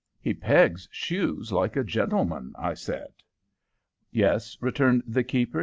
"He pegs shoes like a gentleman," I said. "Yes," returned the keeper.